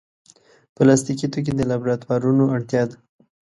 پلاستيکي توکي د لابراتوارونو اړتیا ده.